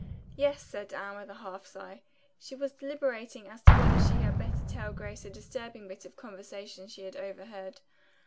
"Yes," said Anne with a half sigh. She was deliberating as to whether she had better tell Grace a disturbing bit of conversation she had overheard.